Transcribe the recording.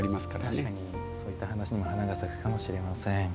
確かにそういった話にも花が咲くかもしれません。